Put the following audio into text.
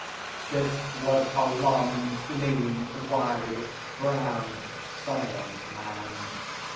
This was a long, lean, wiry, brown, silent man.